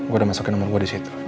gue udah masukin nomor gue di situ